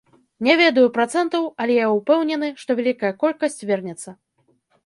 Не ведаю працэнтаў, але я ўпэўнены, што вялікая колькасць вернецца.